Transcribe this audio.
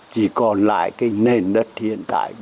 chỉ còn lại cái nền đất hiện tại